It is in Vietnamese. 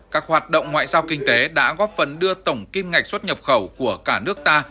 các hoạt động ngoại giao kinh tế đã góp phần đưa tổng kim ngạch xuất nhập khẩu của cả nước ta